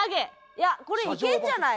いやこれいけるんじゃない？